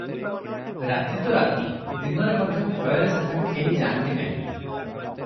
ରାତି ତ ରାତି, ଦିନରେ ମଧ୍ୟ ଭୟରେ ସେଠାକୁ କେହି ଯା'ନ୍ତି ନାହିଁ ।